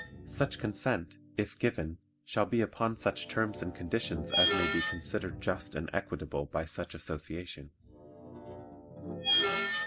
Such consent, if given, shall be upon such terms and conditions as may be considered just and equitable by such Association.